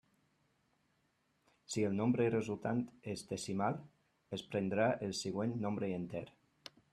Si el nombre resultant és decimal, es prendrà el següent nombre enter.